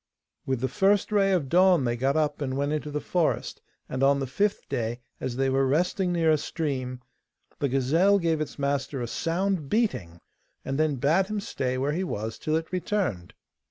With the first ray of dawn they got up and went into the forest, and on the fifth day, as they were resting near a stream, the gazelle gave its master a sound beating, and then bade him stay where he was till it returned.